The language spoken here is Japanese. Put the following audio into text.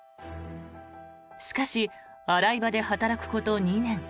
しかし、洗い場で働くこと２年。